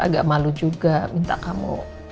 agak malu juga minta kamu